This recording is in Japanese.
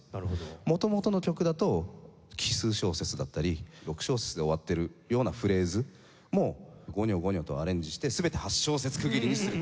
元々の曲だと奇数小節だったり６小節で終わっているようなフレーズもごにょごにょとアレンジして全て８小節区切りにすると。